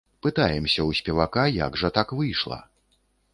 Пытаемся ў спевака, як жа так выйшла?